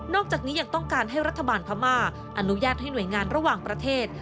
จากนี้ยังต้องการให้รัฐบาลพม่าอนุญาตให้หน่วยงานระหว่างประเทศ